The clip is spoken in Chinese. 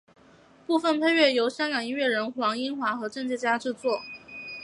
配乐部分由香港音乐人黄英华和郑嘉嘉制作。